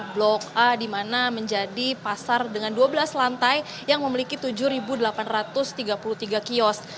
blok a di mana menjadi pasar dengan dua belas lantai yang memiliki tujuh delapan ratus tiga puluh tiga kios